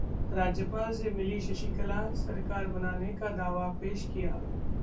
राज्यपाल से मिलीं शशिकला, सरकार बनाने का दावा पेश किया